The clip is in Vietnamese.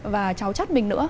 và cháu chắt mình nữa